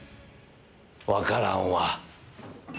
分からんわ。